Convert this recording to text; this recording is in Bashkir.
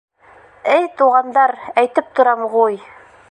— Эй, туғандар, әйтеп торам ғуй.